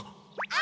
あ？